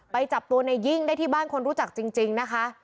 จับตัวในยิ่งได้ที่บ้านคนรู้จักจริงนะคะ